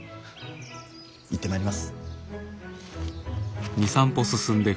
行ってまいります。